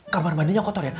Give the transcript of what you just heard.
kamar mandinya kotor ya